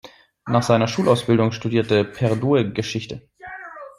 Nach seiner Schulausbildung studierte Perdue Geschichte.